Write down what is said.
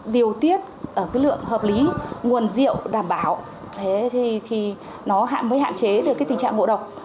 điều tiết lượng hợp lý nguồn rượu đảm bảo thế thì nó mới hạn chế được tình trạng ngộ độc